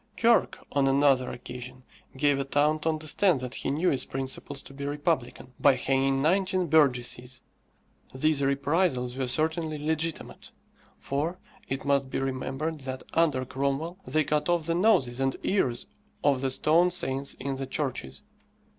Kirke, on another occasion, gave a town to understand that he knew its principles to be republican, by hanging nineteen burgesses. These reprisals were certainly legitimate, for it must be remembered that, under Cromwell, they cut off the noses and ears of the stone saints in the churches.